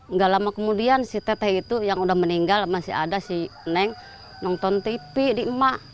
nggak lama kemudian si teteh itu yang udah meninggal masih ada si neng nonton tv di emak